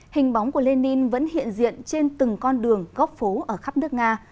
hình bóng của lenin vẫn hiện diện trên từng con đường góc phố ở khắp nước nga